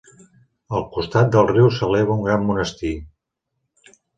Al costat del riu s'eleva un gran monestir.